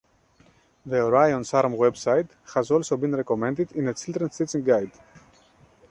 The Orion's Arm website has also been recommended in a children's teaching guide.